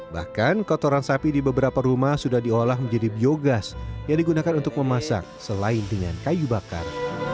bahkan kotoran sapi di beberapa rumah sudah diolah menjadi biogas yang digunakan untuk memasak selain dengan kayu bakar